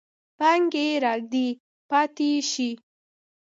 پانګې راکدې پاتې شي.